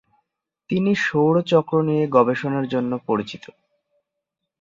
তিনি সৌর চক্র নিয়ে গবেষণার জন্য পরিচিত।